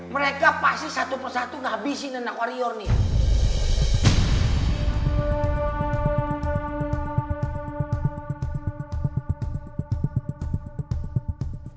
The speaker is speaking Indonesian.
mereka pasti satu persatu gak habisin anak warrior nih